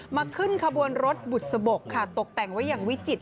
มาขึ้นขบวนรถบุษบกค่ะตกแต่งไว้อย่างวิจิต